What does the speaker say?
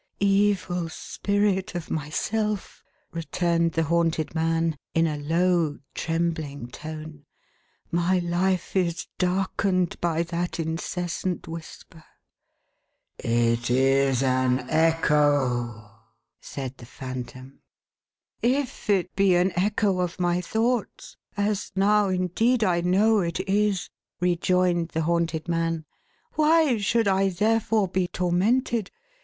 " Evil spirit of myself,11 returned the haunted man, in a low, trembling tone, " my life is darkened by that incessant whisper."" " It is an echo,1' said the Phantom. " If it be an echo of my thoughts — as now, indeed, I know it is," rejoined the haunted man, " why should I, therefore, be tormented